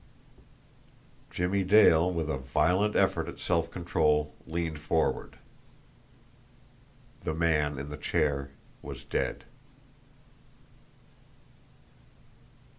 Jimmie Dale, with a violent effort at self control, leaned forward. The man in the chair was dead.